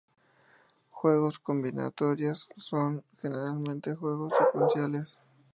Juegos combinatorias son generalmente juegos secuenciales.